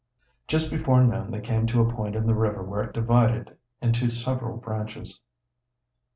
Just before noon they came to a point in the river where it divided into several branches.